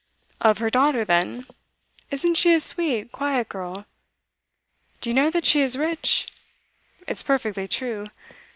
'Of her daughter, then. Isn't she a sweet, quiet girl? Do you know that she is rich? It's perfectly true. Mrs.